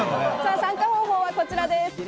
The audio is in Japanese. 参加方法はこちらです。